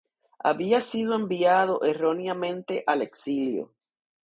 Había sido enviado erróneamente al exilio.